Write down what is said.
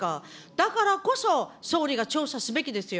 だからこそ、総理が調査すべきですよ。